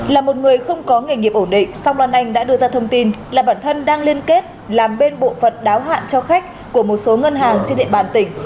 là một người không có nghề nghiệp ổn định song loan anh đã đưa ra thông tin là bản thân đang liên kết làm bên bộ phận đáo hạn cho khách của một số ngân hàng trên địa bàn tỉnh